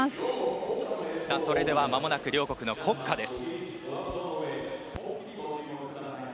それではまもなく両国の国歌です。